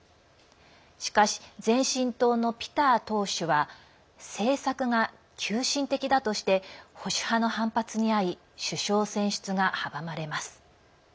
しかし、前進党のピター党首は政策が急進的だとして保守派の反発に遭い首相選出が阻まれます。